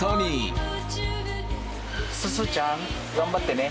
すずちゃん頑張ってね。